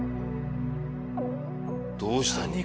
どうしたの？